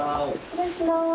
失礼します。